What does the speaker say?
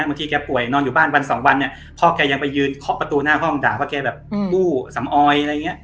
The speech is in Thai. วันที่แกป่วยนอนอยู่บ้าน๑วันพ่อก็ยังไปยืนเข้าประตูหน้าห้องด่าว่าแกอู้สำออย